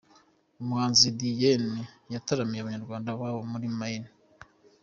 Umuhanzi Diyene yataramiye Abanyarwanda bo muri Maine